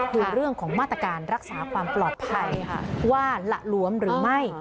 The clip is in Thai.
คือเรื่องของมาตรการรักษาความปลอดภัยว่าหละล้วมหรือไม่